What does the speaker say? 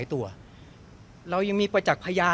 มีใครไปดึงปั๊กหรือว่า